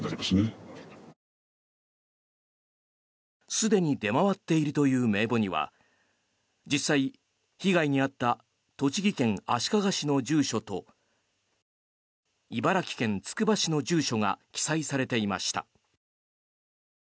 すでに出回っているという名簿には実際、被害に遭った栃木県足利市の住所と茨城県つくば市の住所が記載されていました。